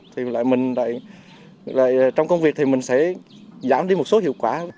thì lại mình trong công việc thì mình sẽ giảm đi một số hiệu quả